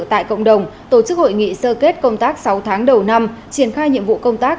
tại cộng đồng tổ chức hội nghị sơ kết công tác sáu tháng đầu năm triển khai nhiệm vụ công tác